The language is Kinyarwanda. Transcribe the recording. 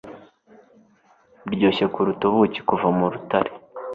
Biryoshye kuruta ubuki buva mu rutare